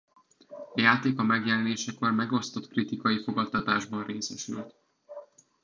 A játék a megjelenésekor megosztott kritikai fogadtatásban részesült.